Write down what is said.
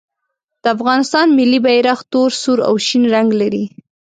د افغانستان ملي بیرغ تور، سور او شین رنګ لري.